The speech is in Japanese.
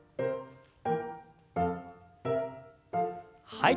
はい。